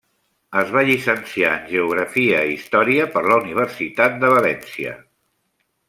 Es va llicenciar en Geografia i Història per la Universitat de València.